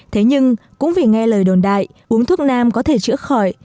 thế nhưng cũng vì nghe lời đồn đại uống thuốc nam có thể chữa khỏi